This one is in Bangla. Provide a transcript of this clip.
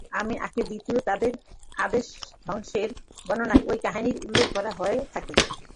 আদে আখির বা দ্বিতীয় আদের ধ্বংসের বর্ণনায়ও এই কাহিনীটির উল্লেখ করা হয়ে থাকে।